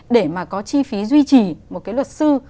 để mà có chi phí duy trì một cái luật sư